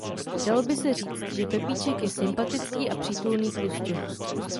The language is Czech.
Dalo by se říct, že Pepíček je sympatický a přítulný tlusťoch.